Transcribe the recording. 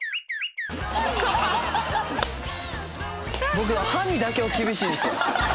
僕は歯にだけは厳しいんですよ。